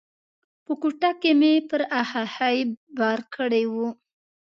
په کوټه کې مې پر اخښي بار کړی و.